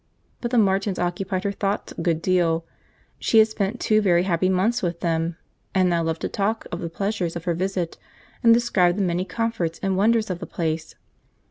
But the Martins occupied her thoughts a good deal; she had spent two very happy months with them, and now loved to talk of the pleasures of her visit, and describe the many comforts and wonders of the place.